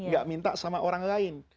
gak minta sama orang lain